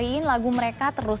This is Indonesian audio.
lagi nyanyiin lagu mereka terus